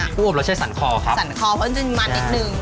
อบเราใช้สันคอครับสันคอเพราะมันจะมันนิดนึง